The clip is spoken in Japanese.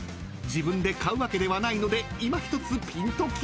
［自分で買うわけではないのでいまひとつぴんときません］